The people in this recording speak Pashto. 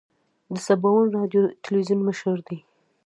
د سباوون راډیو تلویزون مشر دی.